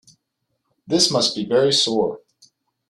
This must be very sore.